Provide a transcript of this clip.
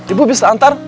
ibu bisa antar